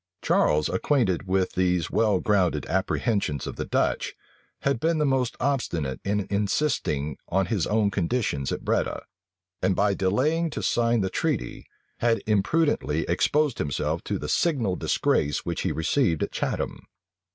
Charles acquainted with these well grounded apprehensions of the Dutch, had been the more obstinate in insisting on his own conditions at Breda; and by delaying to sign the treaty, had imprudently exposed himself to the signal disgrace which he received at Chatham.